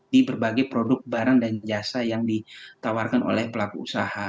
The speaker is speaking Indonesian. di berbagai produk barang dan jasa yang ditawarkan oleh pelaku usaha